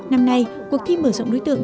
năm nay cuộc thi mở rộng đối tượng